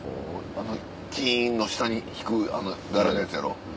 あの金の下に引くあの柄のやつやろ？